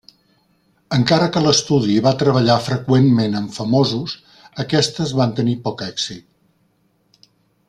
Encara que l'estudi va treballar freqüentment amb famosos, aquestes van tenir poc èxit.